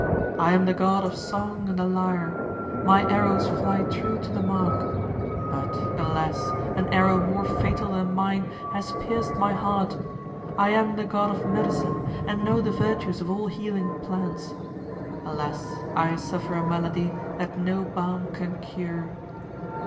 I am the god of song and the lyre. My arrows fly true to the mark; but, alas! an arrow more fatal than mine has pierced my heart! I am the god of medicine, and know the virtues of all healing plants. Alas! I suffer a malady that no balm can cure!"